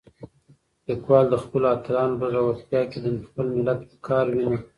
لیکوال د خپلو اتلانو په زړورتیا کې د خپل ملت وقار وینه.